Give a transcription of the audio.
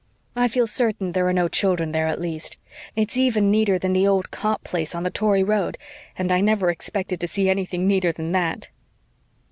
I feel certain there are no children there, at least. It's even neater than the old Copp place on the Tory road, and I never expected to see anything neater than that."